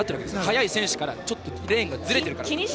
速い選手からちょっとレーンがずれているから。